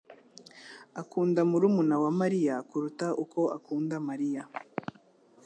akunda murumuna wa Mariya kuruta uko akunda Mariya